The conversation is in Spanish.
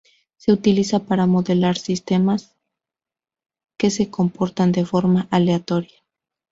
Se utiliza para modelar sistemas que se comportan de forma aleatoria.